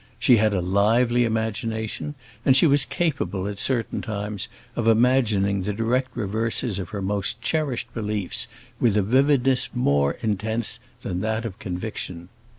She had a lively imagination, and she was capable, at certain times, of imagining the direct reverse of her most cherished beliefs, with a vividness more intense than that of conviction.